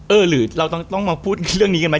หรือเราต้องมาพูดเรื่องนี้กันไหม